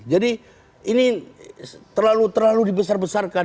jadi ini terlalu dibesar besarkan